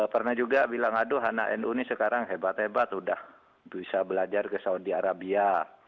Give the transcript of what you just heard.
pernah juga bilang aduh anak nu ini sekarang hebat hebat udah bisa belajar ke saudi arabia